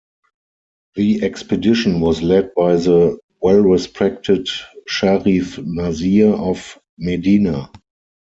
The expedition was led by the well-respected Sharif Nasir of Medina.